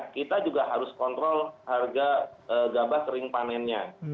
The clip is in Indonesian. kita juga harus kontrol harga gabah sering panennya